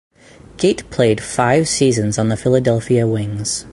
Gait played five seasons on the Philadelphia Wings.